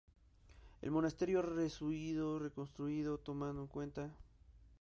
El monasterio ha sido reconstruido tomando en cuenta las prácticas religiosas establecidas.